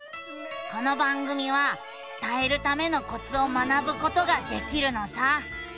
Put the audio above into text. この番組は伝えるためのコツを学ぶことができるのさ。